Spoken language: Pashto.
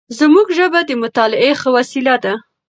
زموږ ژبه د مطالعې ښه وسیله ده.